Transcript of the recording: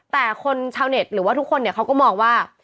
แต่คนชาวเน็ตหรือว่าทุกคนเนี่ยเขาก็มองว่า